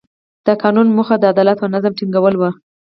د قانون موخه د عدالت او نظم ټینګول وو.